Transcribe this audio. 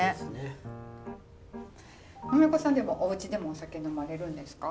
波岡さんでもおうちでもお酒呑まれるんですか？